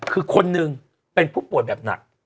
คือคนหนึ่งเป็นผู้ป่วยแบบหนัก